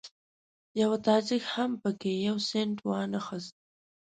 یوه تاجک هم په کې یو سینټ وانخیست.